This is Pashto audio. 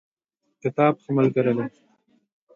کتاب ښه ملګری دی.